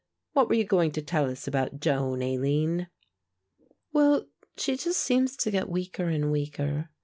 What were you going to tell us about Joan, Aline?" "Well, she just seems to get weaker and weaker.